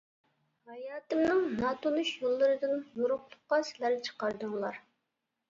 ھاياتىمنىڭ ناتونۇش يوللىرىدىن يورۇقلۇققا سىلەر چىقاردىڭلار.